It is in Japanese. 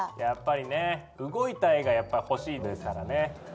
やっぱりね動いた絵がやっぱ欲しいですからね。